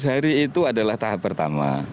tiga belas hari itu adalah tahap pertama